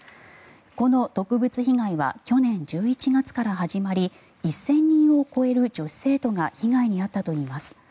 この毒物被害は去年１１月から始まり１０００人を超える女子生徒が被害に遭ったといいます。